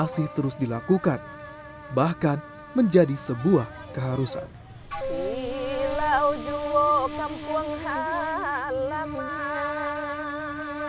seseorang yang berpayian kayak gue its